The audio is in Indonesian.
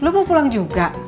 lu mau pulang juga